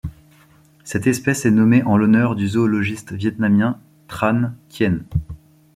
Cette espèce est nommée en l'honneur du zoologiste vietnamien Tran Kien.